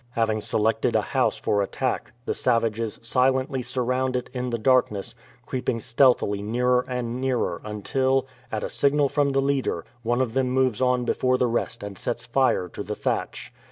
Having selected a house for attack, the savages silently surround it in the darkness, creeping stealthily nearer and nearer until, at a signal from the leader, one of them moves on before the rest and sets fire to the thatch.